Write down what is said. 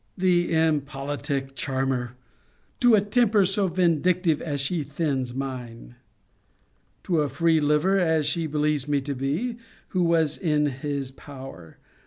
The impolitic charmer! To a temper so vindictive as she thins mine! To a free liver, as she believes me to be, who has her in his power!